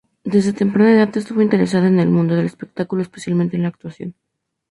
Desde temprana edad estuvo interesada en el mundo del espectáculo, especialmente en la actuación.